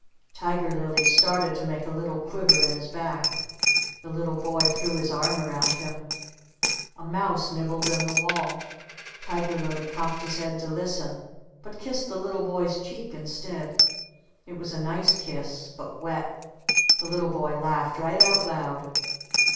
Tiger Lily started to make a little quiver in his back. The little boy threw his arm around him. A mouse nibbled in the wall. Tiger Lily cocked his head to listen but kissed the little boy's cheek instead. It was a nice kiss. But wet. The little boy laughed right out loud.